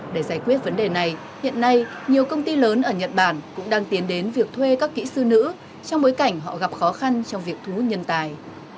để giải quyết vấn đề này hiện nay nhiều công ty lớn ở nhật bản cũng đang tiến đến việc thuê các kỹ sư nữ trong bối cảnh họ gặp khó khăn trong việc thu hút nhân tài